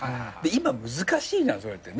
今難しいじゃんそれって。